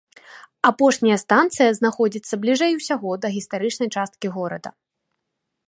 Апошняя станцыя знаходзіцца бліжэй усяго да гістарычнай часткі горада.